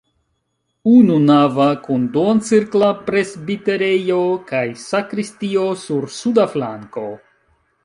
Ununava kun duoncirkla presbiterejo kaj sakristio sur suda flanko.